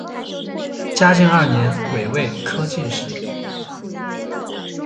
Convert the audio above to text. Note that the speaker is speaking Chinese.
嘉靖二年癸未科进士。